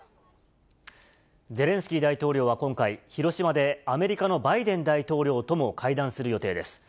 ゼレンスキー大統領は今回、広島でアメリカのバイデン大統領とも会談する予定です。